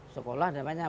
sekolah ada banyak